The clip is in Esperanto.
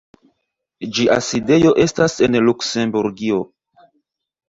Ĝia sidejo estas en Luksemburgio.